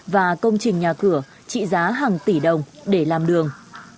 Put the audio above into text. và công trình nhà cửa trị giá hàng tỷ đồng để làm đường